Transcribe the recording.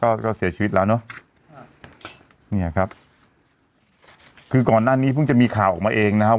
ก็ก็เสียชีวิตแล้วเนอะเนี่ยครับคือก่อนหน้านี้เพิ่งจะมีข่าวออกมาเองนะครับ